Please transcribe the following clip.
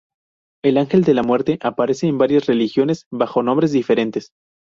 El ángel de la muerte aparece en varias religiones bajo nombres diferentes.